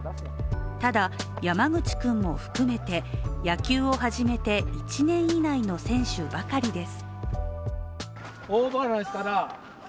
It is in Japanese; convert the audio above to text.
ただ、山口君も含めて野球を始めて１年以内の選手ばかりです。